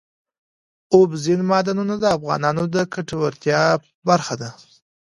اوبزین معدنونه د افغانانو د ګټورتیا برخه ده.